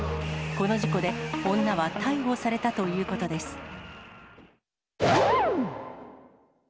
この事故で女は逮捕されたということです。